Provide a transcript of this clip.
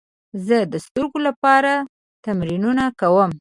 زه د سترګو لپاره تمرینونه کوم.